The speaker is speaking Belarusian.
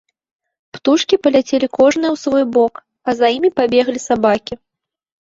Птушкі паляцелі кожная ў свой бок, а за імі пабеглі сабакі.